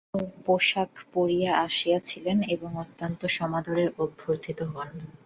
বক্তা প্রাচ্য পোষাক পরিয়া আসিয়াছিলেন এবং অত্যন্ত সমাদরে অভ্যর্থিত হন।